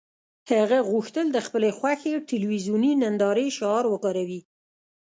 هغه غوښتل د خپلې خوښې تلویزیوني نندارې شعار وکاروي